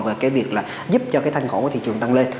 và cái việc là giúp cho cái thanh cổ của thị trường tăng lên